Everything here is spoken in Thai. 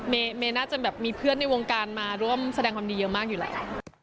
เมย์น่าจะแบบมีเพื่อนในวงการมาร่วมแสดงความดีเยอะมากอยู่แล้ว